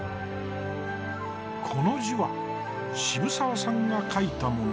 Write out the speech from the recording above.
この字は渋沢さんが書いたもの。